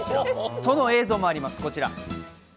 その映像もあります、こちら。